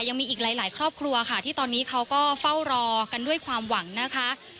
ยังมีอีกหลายครอบครัวค่ะที่ตอนนี้เขาก็เฝ้ารอกันด้วยความหวังนะคะ